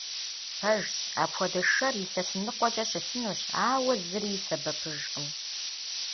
Пэжщ, апхуэдэ шэр илъэс ныкъуэкӀэ щылъынущ, ауэ зыри и сэбэпыжкъым.